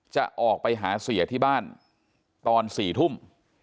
จะออกไปหาเสียที่บ้านตอน๔ทุ่ม